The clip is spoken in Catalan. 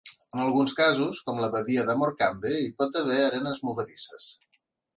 En alguns casos, com la Badia de Morecambe hi pot haver arenes movedisses.